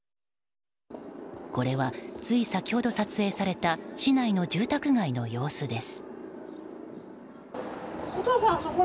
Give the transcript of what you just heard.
これはつい先ほど撮影された市内の住宅街の様子です。